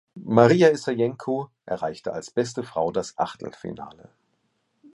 Marija Issajenko erreichte als beste Frau das Achtelfinale.